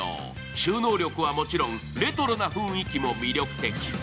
収納力はもちろん、レトロな雰囲気も魅力的。